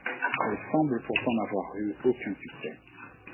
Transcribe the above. Elle semble pourtant n'avoir eu aucun succès.